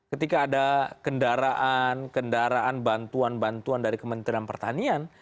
ketika ada kendaraan kendaraan bantuan bantuan dari kementerian pertanian